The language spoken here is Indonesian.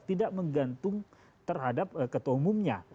tidak menggantung terhadap ketua umumnya